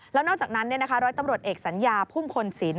แล้วนอกจากนั้นร้อยตำรวจเอกสัญญาพุ่มพลศิลป